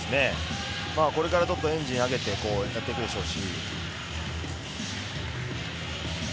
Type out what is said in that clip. これからエンジンを上げてやっていくでしょうし。